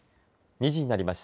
２時になりました。